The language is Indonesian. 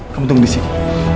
kamu tunggu disini